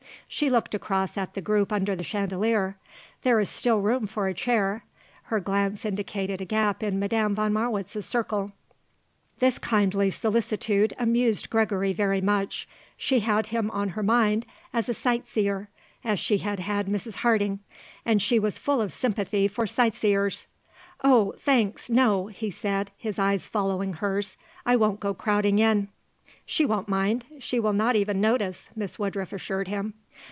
She looked across at the group under the chandelier. "There is still room for a chair." Her glance indicated a gap in Madame von Marwitz's circle. This kindly solicitude amused Gregory very much. She had him on her mind as a sight seer, as she had had Mrs. Harding; and she was full of sympathy for sight seers. "Oh thanks no," he said, his eyes following hers. "I won't go crowding in." "She won't mind. She will not even notice;" Miss Woodruff assured him.